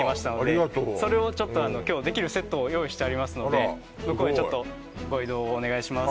ありがとうそれをちょっとあの今日できるセットを用意してありますので向こうへご移動をお願いします